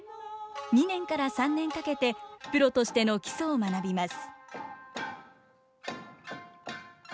２年から３年かけてプロとしての基礎を学びます。